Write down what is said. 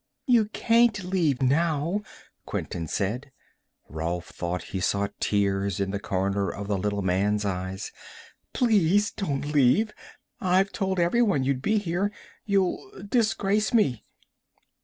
"You can't leave now," Quinton said. Rolf thought he saw tears in the corners of the little man's eyes. "Please don't leave. I've told everyone you'd be here you'll disgrace me."